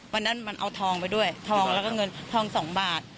วันนั้นมันเอาทองไปด้วยทองแล้วก็เงินทอง๒บาท